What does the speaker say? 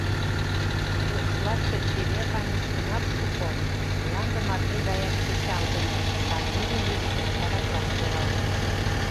Укшлаште чевер анис тунар шуко, мланде марте гаяк кечалтыныт, сандене южыжым чараклаш логалын.